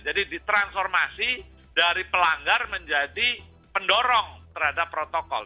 jadi ditransformasi dari pelanggar menjadi pendorong terhadap protokol